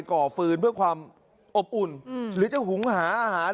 ก่อฟืนเพื่อความอบอุ่นหรือจะหุงหาอาหาร